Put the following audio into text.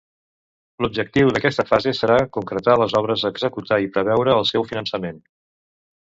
L'objectiu d'aquesta fase serà concretar les obres a executar i preveure el seu finançament.